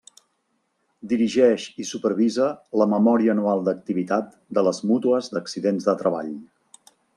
Dirigeix i supervisa la memòria anual d'activitat de les mútues d'accidents de treball.